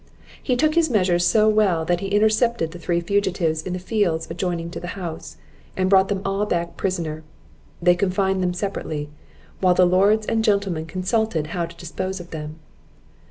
He took his measures so well, that he intercepted the three fugitives in the fields adjoining to the house, and brought them all back prisoner. They confined them separately, while the Lords and Gentlemen consulted how to dispose of them.